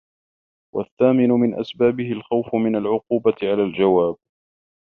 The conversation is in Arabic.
وَالثَّامِنُ مِنْ أَسْبَابِهِ الْخَوْفُ مِنْ الْعُقُوبَةِ عَلَى الْجَوَابِ